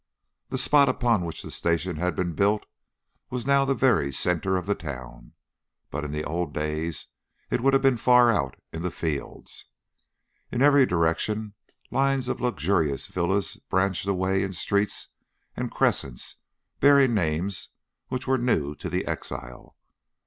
The spot upon which the station had been built was now the very centre of the town, but in the old days it would have been far out in the fields. In every direction, lines of luxurious villas branched away in streets and crescents bearing names which were new to the exile.